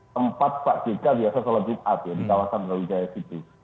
tempat pak jk biasa sholat jumat ya di kawasan brawijaya situ